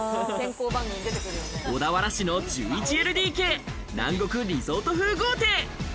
小田原市の１１ＬＤＫ、南国リゾート風豪邸。